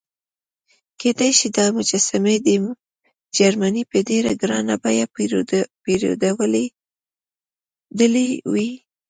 کېدای شي دا مجسمې دې جرمني په ډېره ګرانه بیه پیرودلې وي.